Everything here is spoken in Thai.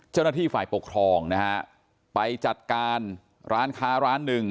เจ้าหน้าที่ฝ่ายปกครองนะฮะไปจัดการร้านค้าร้านหนึ่ง